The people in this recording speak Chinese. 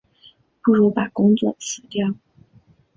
不如把工作辞掉